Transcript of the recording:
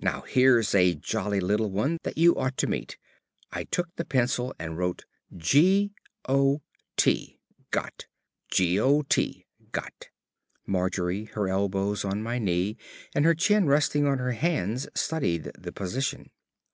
Now here's a jolly little one that you ought to meet." I took the pencil and wrote G O T. "Got. G o t, got." Margery, her elbows on my knee and her chin resting on her hands, studied the position.